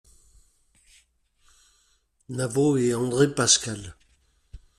Naveau et André Pascales.